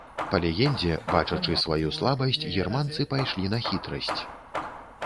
Па легендзе, бачачы сваю слабасць, германцы пайшлі на хітрасць.